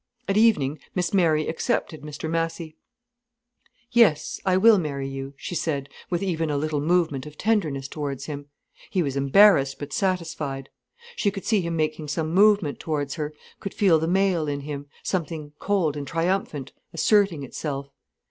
At evening Miss Mary accepted Mr Massy. "Yes, I will marry you," she said, with even a little movement of tenderness towards him. He was embarrassed, but satisfied. She could see him making some movement towards her, could feel the male in him, something cold and triumphant, asserting itself.